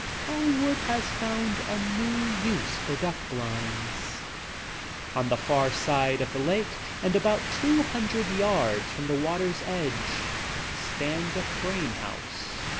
Hollywood has found a new use for duck blinds — On the far side of the lake and about two :■..■ red yards from the water's edge stands a frame house.